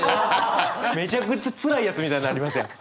めちゃくちゃつらいやつみたいになりますやん。